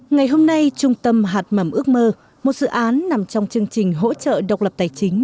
ngày hôm nay trung tâm hạt mầm ước mơ một dự án nằm trong chương trình hỗ trợ độc lập tài chính